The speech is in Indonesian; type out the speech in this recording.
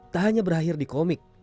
tak hanya berakhir di komik